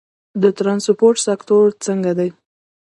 د ترانسپورت سکتور څنګه دی؟